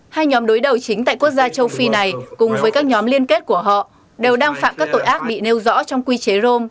hai nhóm đối đầu chính tại quốc gia châu phi này cùng với các nhóm liên kết của họ đều đang phạm các tội ác bị nêu rõ trong quy chế rome